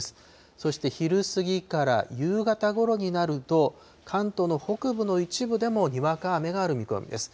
そして昼過ぎから夕方ごろになると、関東の北部の一部でもにわか雨がある見込みです。